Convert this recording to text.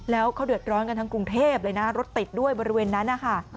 แล้วเขาเดือดร้อนกันทั้งกรุงเทพเลยนะรถติดด้วยบริเวณนั้นนะคะ